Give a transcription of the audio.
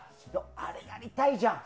あれになりたいじゃん。